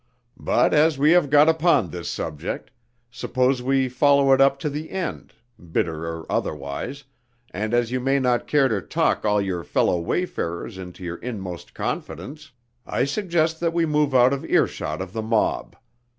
"But as we have got upon this subject, suppose we follow it up to the end bitter or otherwise and as you may not care to take all your fellow Wayfarers into your inmost confidence, I suggest that we move out of earshot of the mob.